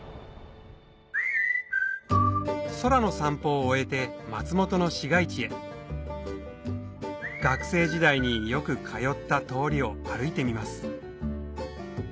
空の散歩を終えて松本の市街地へ学生時代によく通った通りを歩いてみます